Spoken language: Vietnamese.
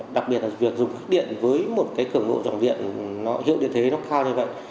đặc biệt là việc dùng điện với một cái cửa ngộ dòng điện nó hiệu điện thế nó cao như vậy